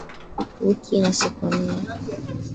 Wiki ina siku nane